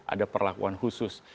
ada perlakuan khusus